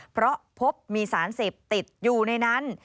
เพราะพบมีสารเสพติดอยู่ในนั้น